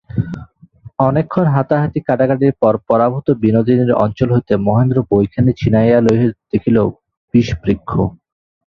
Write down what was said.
অনেকক্ষণ হাতাহাতি-কাড়াকাড়ির পর পরাভূত বিনোদিনীর অঞ্চল হইতে মহেন্দ্র বইখানি ছিনাইয়া লইয়া দেখিল–বিষবৃক্ষ।